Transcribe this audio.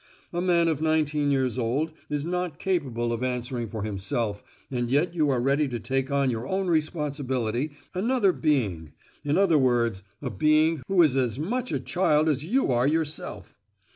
A man of nineteen years old is not capable of answering for himself and yet you are ready to take on your own responsibility another being—in other words, a being who is as much a child as you are yourself.